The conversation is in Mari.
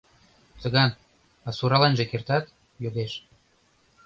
— Цыган, а сураленже кертат? — йодеш.